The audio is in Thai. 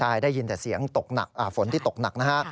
ใช่ได้ยินแต่เสียงตกหนักฝนที่ตกหนักนะฮะ